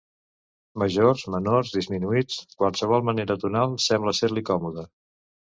Majors, menors, disminuïts; qualsevol manera tonal sembla ser-li còmoda.